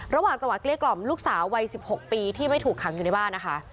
จังหวะเกลี้ยกล่อมลูกสาววัย๑๖ปีที่ไม่ถูกขังอยู่ในบ้านนะคะ